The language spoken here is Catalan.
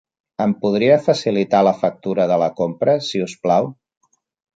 Em podria facilitar la factura de la compra, si us plau?